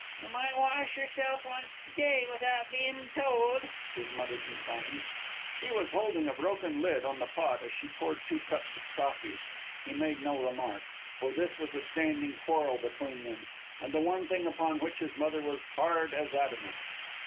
"You might wash yourself wunst a day without bein' told," his mother complained. She was holding a broken lid on the pot as she poured two cups of coffee. He made no remark, for this was a standing quarrel between them, and the one thing upon which his mother was hard as adamant.